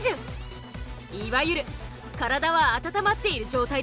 いわゆる体は温まっている状態だ。